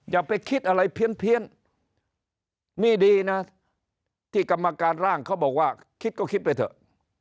อย่าไปคิดอะไรเพี้ยนนี่ดีนะที่กรรมการร่างเขาบอกว่าคิดก็คิดไปเถอะ